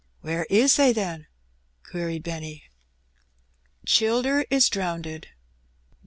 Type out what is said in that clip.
"Where is they, then?" queried Benny. "Childer is drownded."